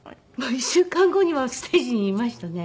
１週間後にはステージにいましたね。